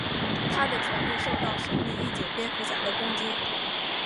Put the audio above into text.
他的权力受到神秘义警蝙蝠侠的攻击。